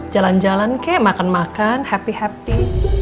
jalan jalan kek makan makan happy happy